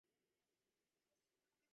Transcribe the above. އަހަރެންގެ އަތުން ފޯނު ދޫވި